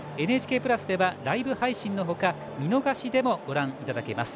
「ＮＨＫプラス」ではライブ配信の他見逃しでもご覧いただけます。